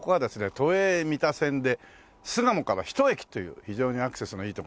都営三田線で巣鴨から１駅という非常にアクセスのいいとこなんですけど。